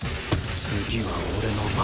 次は俺の番。